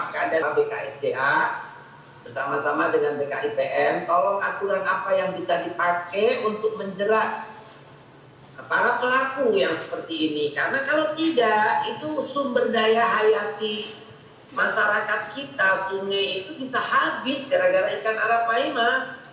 karena kalau tidak itu sumber daya hayat di masyarakat kita sungai itu bisa habis gara gara ikan arapaima